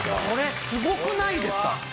これすごくないですか？